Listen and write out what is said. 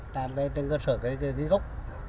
làm lên trên cơ sở cái gốc